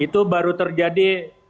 itu baru terjadi beberapa tahun ini